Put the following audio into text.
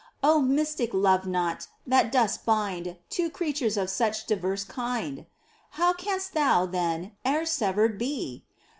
mystic love knot, that dost bind Two beings of such diverse kind ! How canst Thou, then, e'er severed be